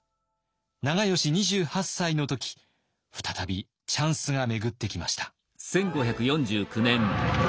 長慶２８歳の時再びチャンスが巡ってきました。